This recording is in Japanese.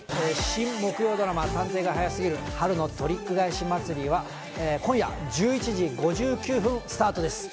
新木曜ドラマ『探偵が早すぎる春のトリック返し祭り』は今夜１１時５９分スタートです。